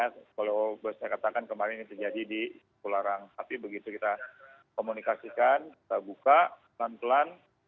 kalau saya katakan kemarin ini terjadi di pularang tapi begitu kita komunikasikan kita buka pelan pelan